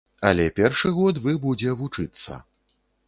Але першы год вы будзе вучыцца.